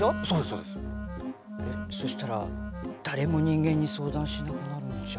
そしたら誰も人間に相談しなくなるんじゃ？